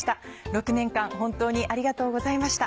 ６年間本当にありがとうございました。